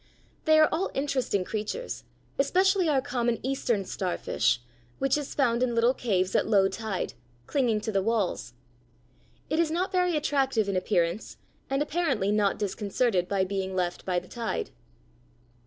They are all interesting creatures, especially our common Eastern starfish, which is found in little caves at low tide, clinging to the walls. It is not very attractive in appearance, and apparently not disconcerted by being left by the tide. [Illustration: FIG. 50. A brittle starfish.